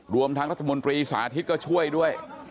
รวมทั้งรัฐมนตรีสาธิตก็ช่วยด้วย